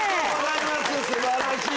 すばらしい！